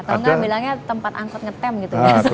atau enggak bilangnya tempat angkut ngetem gitu ya pak joko